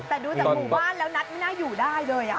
แต่ดูจากหมู่บ้านแล้วนัดไม่น่าอยู่ได้เลย